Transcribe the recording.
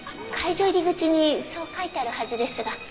会場入り口にそう書いてあるはずですが。